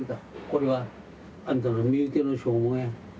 これはあんたの身請けの証文や。